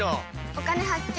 「お金発見」。